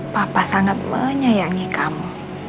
papa sangat menyayangi kamu